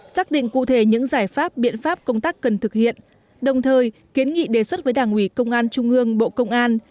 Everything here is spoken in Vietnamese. xác định cụ thể những giải pháp biện pháp công tác cần thực hiện đồng thời kiến nghị đề xuất với đảng ủy công an trung ương bộ công an